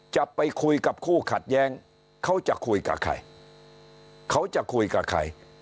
จะไปคุยกับคู่ขัดแย้งเขาจะคุยกับใครเขาจะคุยกับใคร